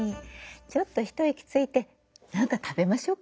ちょっと一息ついて何か食べましょうか。